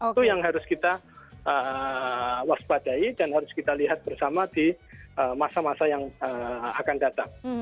itu yang harus kita waspadai dan harus kita lihat bersama di masa masa yang akan datang